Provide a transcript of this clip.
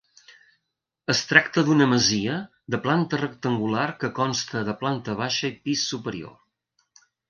Es tracta d'una masia de planta rectangular que consta de planta baixa i pis superior.